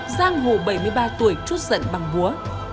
giang hồ bảy mươi ba tuổi trút giận bằng búa